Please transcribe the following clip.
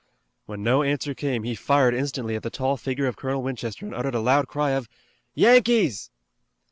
When no answer came he fired instantly at the tall figure of Colonel Winchester and uttered a loud cry of, "Yankees!"